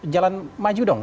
jalan maju dong